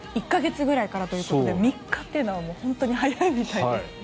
１か月ぐらいからということで３日というのは本当に早いみたいですね。